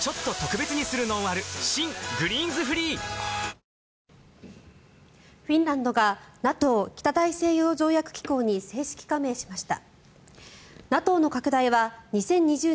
新「グリーンズフリー」フィンランドがＮＡＴＯ・北大西洋条約機構に正式加盟しました。